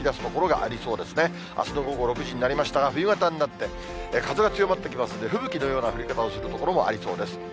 あすの午後６時になりましたが、冬型になって、風が強まってきますので、吹雪のような降り方をする所もありそうです。